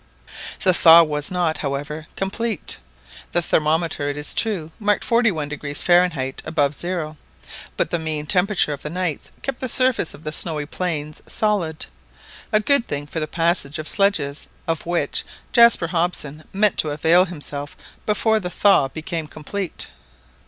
The thaw was not, however, complete. The thermometer, it is true, marked 41° Fahrenheit above zero; but the mean temperature of the nights kept the surface of the snowy plains solid—a good thing for the passage of sledges, of which Jaspar Hobson meant to avail himself before the thaw became complete.